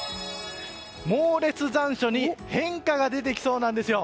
猛烈残暑に変化が出てきそうなんですよ。